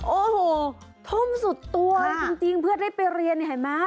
โอ้โหทุ่มสุดตัวเลยจริงเพื่อได้ไปเรียนเห็นไหม